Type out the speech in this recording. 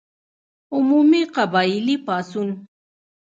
عمومي قبایلي پاڅون.